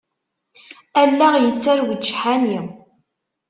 Allaɣ yettarew-d ccḥani.